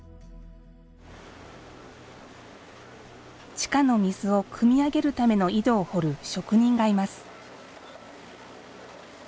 地下の水をくみ上げるための井戸を掘る職人がいます。